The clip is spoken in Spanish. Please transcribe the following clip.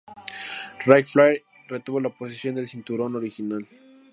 Ric Flair retuvo la posesión del cinturón original.